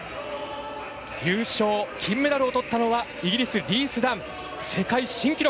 優勝、金メダルをとったのはイギリスのリース・ダン、世界新記録。